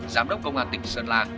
giám đốc công an tỉnh sơn la